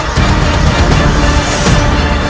sandika kusti prabu